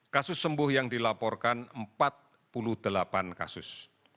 kasus sembuh yang dilaporkan empat puluh delapan kasus